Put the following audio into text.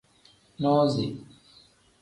Nuzi.